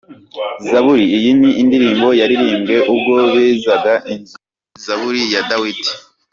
Zaburi iyi ni Indirimbo yaririmbwe ubwo bezaga Inzu. Ni Zaburi ya Dawidi.